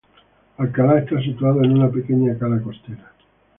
Alcalá está situado en una pequeña cala costera.